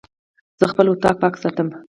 زه خپل اطاق پاک ساتم.